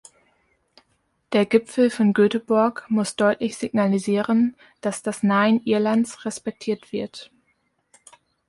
Der Gipfel von Göteborg muss deutlich signalisieren, dass das Nein Irlands respektiert wird.